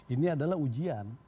ini adalah ujian